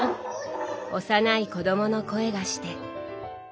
幼い子どもの声がして。